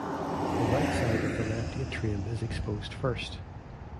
The right side of the left atrium is exposed first.